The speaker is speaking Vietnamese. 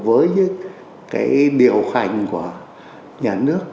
đối với cái biểu hành của nhà nước